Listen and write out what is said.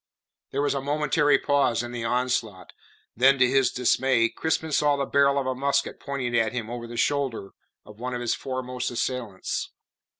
There was a momentary pause in the onslaught, then to his dismay Crispin saw the barrel of a musket pointed at him over the shoulder of one of his foremost assailants.